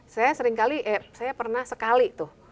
saya seringkali eh saya pernah sekali tuh